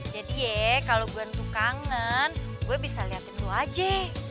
jadi ya kalau gue ntuh kangen gue bisa liatin lo aja